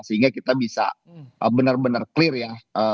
sehingga kita bisa benar benar clear ya